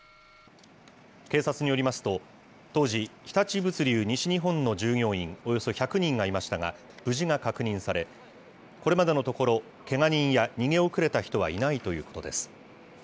警察によりますと、当時、日立物流西日本の従業員およそ１００人がいましたが、無事が確認され、これまでのところ、けが人や逃げ遅れた人はいないということです。